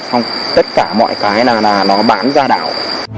xong tất cả mọi cái là nó bán ra đảo